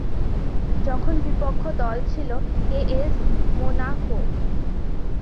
যখন বিপক্ষ দল ছিল এএস মোনাকো।